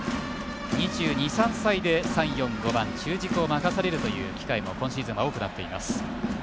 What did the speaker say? ２２２３歳で３，４、５番中軸を任されるという機会も今シーズンは多くなっています。